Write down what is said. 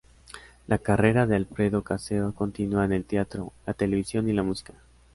La carrera de Alfredo Casero continúa en el teatro, la televisión y la música.